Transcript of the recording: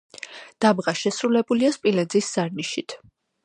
დამღა შესრულებულია სპილენძის ზარნიშით.